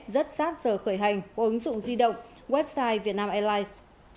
rất sát giờ khởi hành của ứng dụng di động website vietnam airlines